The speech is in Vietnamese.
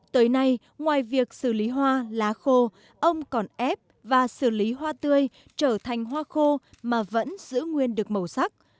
tới nay ngoài việc xử lý hoa lá khô ông còn ép và xử lý hoa tươi trở thành hoa khô mà vẫn giữ nguyên được màu sắc